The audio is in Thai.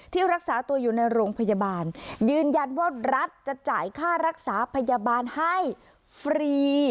รักษาตัวอยู่ในโรงพยาบาลยืนยันว่ารัฐจะจ่ายค่ารักษาพยาบาลให้ฟรี